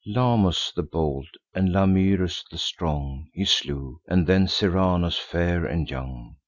Lamus the bold, and Lamyrus the strong, He slew, and then Serranus fair and young.